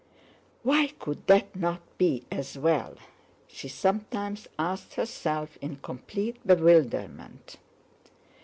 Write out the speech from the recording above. "Why could that not be as well?" she sometimes asked herself in complete bewilderment.